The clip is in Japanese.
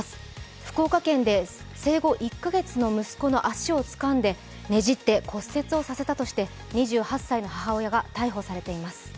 福岡県で生後１か月の息子の足をつかんでねじって、骨折させたとして２８歳の母親が逮捕されています。